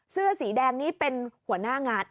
เสื้อสีแดงนี้เป็นหัวหน้างาน